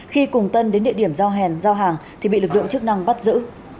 khi cùng tân đến địa điểm giao hèn giao hàng thì bị lực lượng chức năng bắt giữ